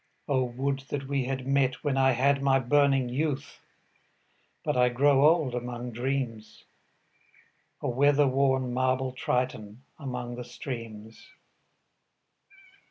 O would that we had met When I had my burning youth! But I grow old among dreams, A weather worn, marble triton Among the streams.